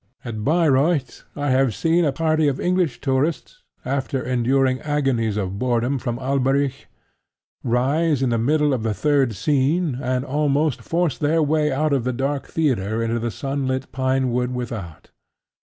At Bayreuth I have seen a party of English tourists, after enduring agonies of boredom from Alberic, rise in the middle of the third scene, and almost force their way out of the dark theatre into the sunlit pine wood without.